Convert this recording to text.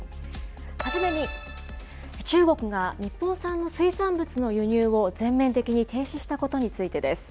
初めに、中国が日本産の水産物の輸入を全面的に停止したことについてです。